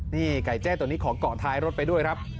นี่ไก่แจ้ตัวนี้ขอเกาะท้ายรถไปด้วยครับ